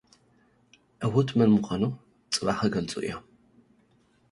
ዕዉት መን ምዃኑ ጽባሕ ኽገልጹ እዮም።